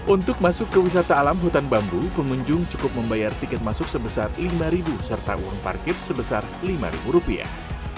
untuk masuk ke wisata alam hutan bambu pengunjung cukup membayar tiket masuk sebesar lima serta uang parkir sebesar lima rupiah